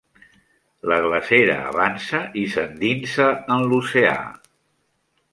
La glacera avança i s'endinsa en l'oceà.